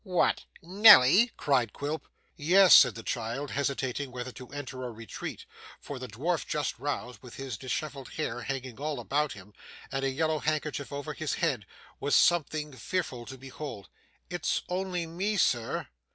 'What, Nelly!' cried Quilp. 'Yes,' said the child, hesitating whether to enter or retreat, for the dwarf just roused, with his dishevelled hair hanging all about him and a yellow handkerchief over his head, was something fearful to behold; it's only me, sir.